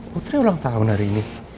putri ulang tahun hari ini